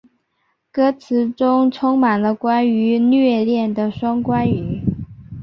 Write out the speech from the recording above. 歌词中充满了关于虐恋的双关语。